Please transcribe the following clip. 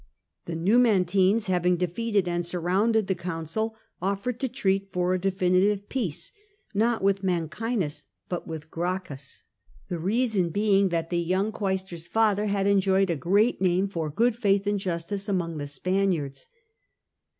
The Numantines having defeated and surrounded the consul, offered to treat for a definitive peace, not with Mancinus, but with Gracchus, TIBEEIUS AT NUMANTIA 1 $ the reason being that the young quaestor's father had enjoyed a great name for good faith and justice among the Spaniards.